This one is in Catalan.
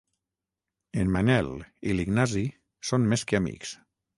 En Manel i l'Ignasi són més que amics.